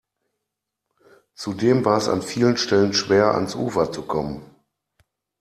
Zudem war es an vielen Stellen schwer, ans Ufer zu kommen.